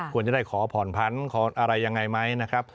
ควรจะได้ขอผ่อนพันธุ์ขออะไรยังไงไหมนะครับ